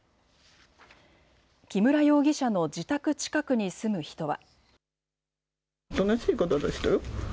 木村容疑者の自宅近くに住む人は。